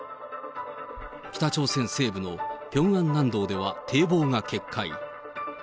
北朝鮮西部のピョンアン南道では、堤防が決壊。